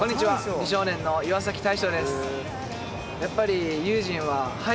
美少年の岩大昇です。